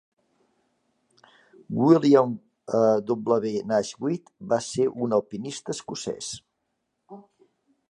William W. Naismith va ser un alpinista escocès.